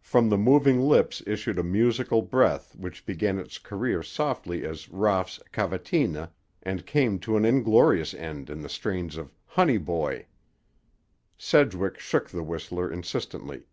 From the moving lips issued a musical breath which began its career softly as Raff's Cavatina and came to an inglorious end in the strains of Honey Boy. Sedgwick shook the whistler insistently.